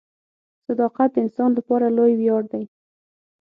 • صداقت د انسان لپاره لوی ویاړ دی.